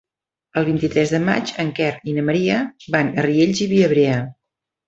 El vint-i-tres de maig en Quer i na Maria van a Riells i Viabrea.